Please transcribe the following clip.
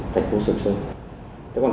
thành phố sơn sơn